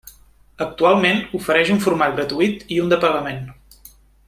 Actualment, ofereix un format gratuït i un de pagament.